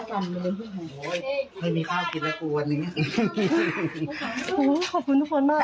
ขอบคุณทุกคนมาก